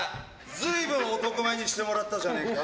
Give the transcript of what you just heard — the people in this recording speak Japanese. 随分男前にしてもらったじゃねえか。